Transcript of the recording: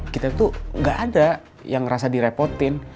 kita tuh gak ada yang ngerasa direpotin